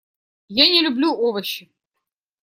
Я не люблю овощи.